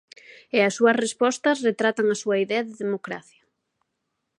E as súas respostas retratan a súa idea de democracia.